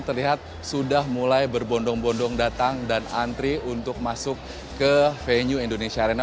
terlihat sudah mulai berbondong bondong datang dan antri untuk masuk ke venue indonesia arena